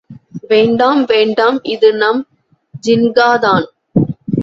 வேண்டாம் வேண்டாம் இது நம் ஜின்காதான்.